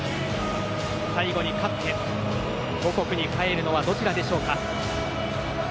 最後に勝って母国に帰るのはどちらでしょうか。